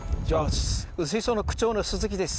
薄磯の区長の鈴木です。